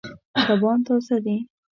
کبان تازه دي.